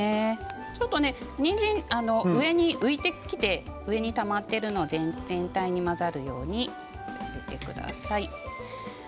にんじんが上に浮いてきて上にたまっているので全体に混ざるようにしてください。